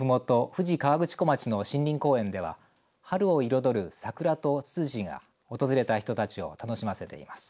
富士河口湖町の森林公園では春を彩るサクラとツツジが訪れた人たちを楽しませています。